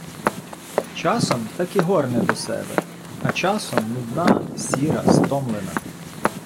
Часом так і горне до себе, а часом нудна, сіра, стомлена.